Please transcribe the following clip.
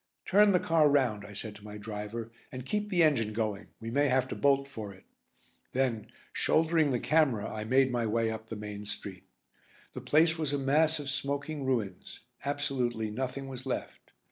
"Turn the car round," I said to my driver, "and keep the engine going, we may have to bolt for it." Then, shouldering the camera, I made my way up the main street. The place was a mass of smoking ruins; absolutely nothing was left.